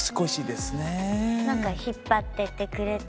引っ張っていってくれて。